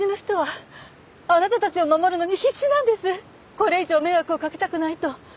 これ以上迷惑をかけたくないと。